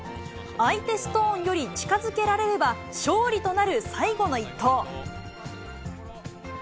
相手ストーンより近づけられれば、勝利となる最後の一投。